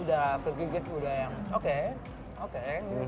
udah kegigit udah yang oke oke